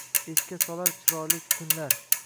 Esga solar chiroyli tunlar